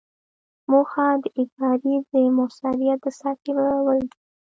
موخه د ادارې د مؤثریت د سطحې لوړول دي.